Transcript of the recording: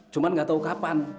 cuman nggak tau kapan